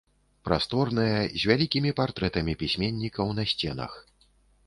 Прасторная, з вялікімі партрэтамі пісьменнікаў на сценах.